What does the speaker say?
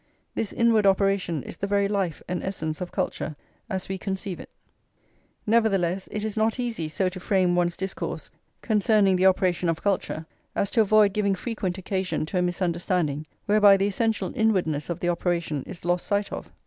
This inward operation is the very life and essence of culture, as we conceive it. Nevertheless, it is not easy so to frame one's discourse concerning the operation of culture, as to avoid giving frequent occasion to a misunderstanding whereby the essential inwardness of the [x] operation is lost sight of.